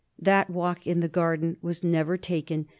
That walk in the garden was never taken.